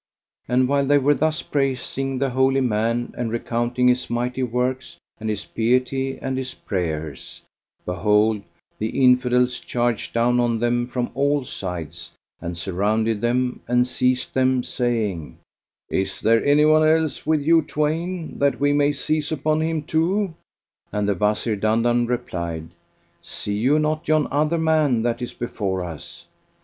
And while they were thus praising the holy man and recounting his mighty works and his piety and his prayers, behold, the Infidels charged down on them from all sides and surrounded them; and seized them, saying, "Is there anyone else with you twain, that we may seize upon him too?" And the Wazir Dandan replied, "See you not yon other man that is before us?